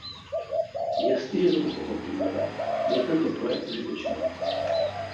Jestliže toto pochopíme, byl tento projekt užitečný.